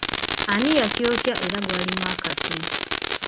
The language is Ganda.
Ani yakyokya era gwali mwaka ki?